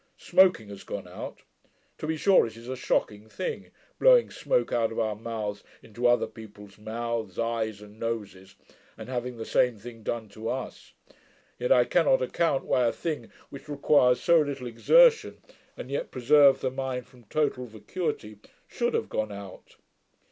Smoking has gone out. To be sure, it is a shocking thing, blowing smoke out of our mouths into other people's mouths, eyes, and noses, and having the same thing done to us. Yet I cannot account, why a thing which requires so little exertion, and yet preserves the mind from total vacuity, should have gone out.